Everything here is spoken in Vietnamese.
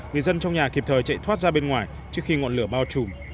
người dân trong nhà kịp thời chạy thoát ra bên ngoài trước khi ngọn lửa bao trùm